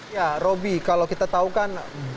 ya roby kalau kita tahu kan